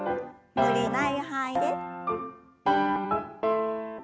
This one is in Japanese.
無理のない範囲で。